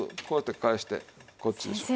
こうやって返してこっちで。